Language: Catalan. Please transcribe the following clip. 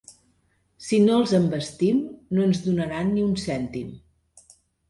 Si no els envestim, no ens donaran ni un cèntim.